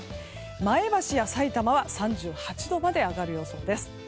前橋やさいたまは３８度まで上がる予想です。